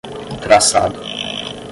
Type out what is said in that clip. traçado